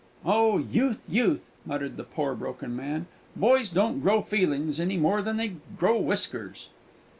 "Oh, youth, youth!" muttered the poor broken man; "boys don't grow feelings, any more than they grow whiskers!"